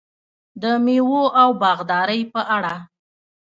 د میوو او باغدارۍ په اړه: